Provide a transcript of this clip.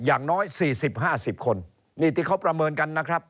อย่างน้อย๔๐๕๐คนนี่ที่เขาประเมินกันนะครับ